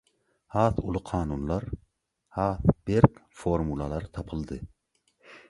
Has uly kanunlar, has berk formulalar tapyldy